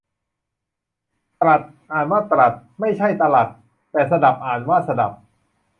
ตรัส อ่านว่า ตรัด ไม่ใช่ตะหรัด แต่สดับ อ่านว่า สะดับ